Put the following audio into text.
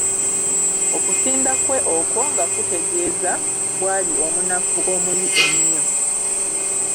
Okusinda kwe okwo nga kutegeeza bw'ali omunafu omuyi ennyo.